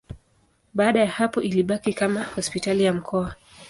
Baada ya hapo ilibaki kama hospitali ya mkoa.